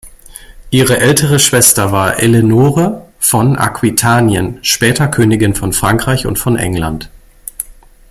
Ihre ältere Schwester war Eleonore von Aquitanien, spätere Königin von Frankreich und von England.